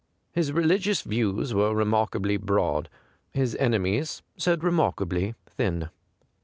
His religious views were remarkably broad ; his enemies said remarkably thin.